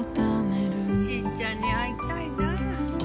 しぃちゃんに会いたいな。